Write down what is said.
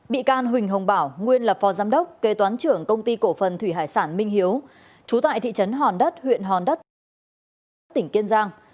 bị can huỳnh hồng bảo nguyên là phó giám đốc kê toán trưởng công ty cổ phần thủy hải sản minh hiếu trú tại thị trấn hòn đất huyện hòn đất tỉnh kiên giang